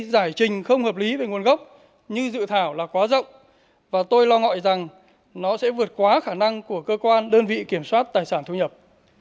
giải trình không hợp lý về nguồn gốc như dự thảo là quá rộng và tôi lo ngại rằng nó sẽ vượt quá khả năng của cơ quan đơn vị kiểm soát tài sản thu nhập